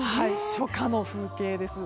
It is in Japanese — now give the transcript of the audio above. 初夏の風景です。